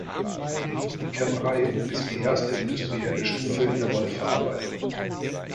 Die Kämmerei ist die erste industrielle Stufe in der Wollverarbeitung.